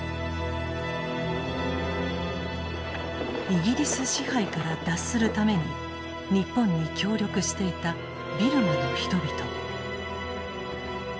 イギリス支配から脱するために日本に協力していたビルマの人々。